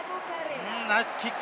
ナイスキック。